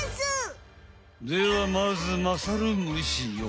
ではまずまさる虫よ